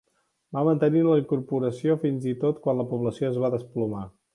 Va mantenir la incorporació fins i tot quan la població es va desplomar.